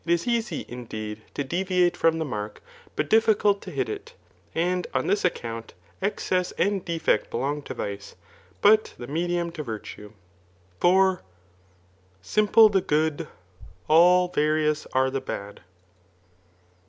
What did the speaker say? is easy, indeed, to deviate from, the mark, bufi dJ0icult to hit it ; and on this accpmit^iexcess and defeot I^OOg to vice, but the medium.to virtue. For, Simple the good, alI varIott$ ^lt the bad.